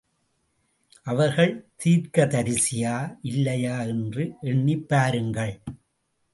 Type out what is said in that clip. அவர்கள் தீர்க்கதரிசியா இல்லையா என்று எண்ணிப் பாருங்கள்.